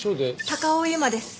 高尾由真です。